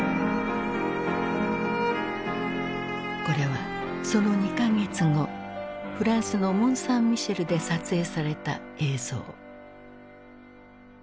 これはその２か月後フランスのモン・サン・ミシェルで撮影された映像。